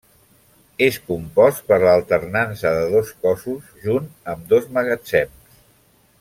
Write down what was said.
És compost per l'alternança de dos cossos junt amb dos magatzems.